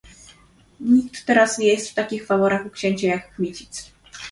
"Nikt teraz nie jest w takich faworach u księcia, jak Kmicic."